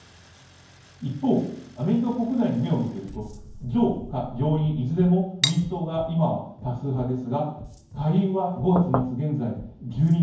一方アメリカ国内に目を向けると上下両院いずれも民主党が今は多数派ですが下院は５月末現在１２議席差。